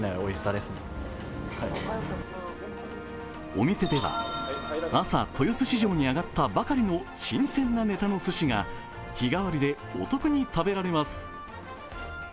お店では朝、豊洲市場に揚がったばかりの新鮮なネタのすしが日替わりでお得に食べられます。